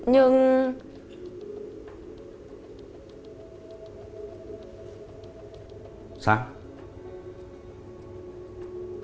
nó có thấy mình